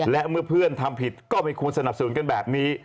และเมื่อเพื่อนทำผิดก็ไม่ควรสนับสนุนกันแบบนี้